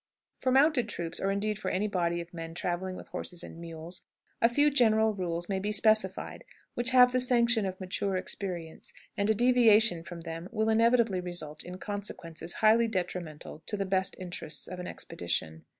For mounted troops, or, indeed, for any body of men traveling with horses and mules, a few general rules may be specified which have the sanction of mature experience, and a deviation from them will inevitably result in consequences highly detrimental to the best interests of an expedition.